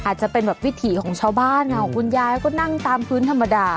อาจจะเป็นแบบวิถีของชาวบ้านค่ะคุณยายก็นั่งตามพื้นธรรมดา